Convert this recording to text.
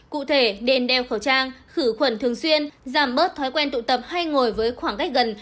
cụ thể đền đeo khẩu trang khử khuẩn thường xuyên giảm bớt thói quen tụ tập hay ngồi với khoảng cách gần